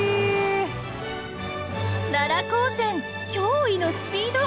奈良高専驚異のスピード！